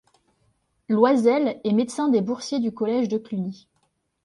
Loysel est médecin des boursiers du collège de Cluny.